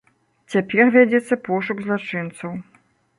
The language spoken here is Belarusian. Цяпер вядзецца пошук злачынцаў.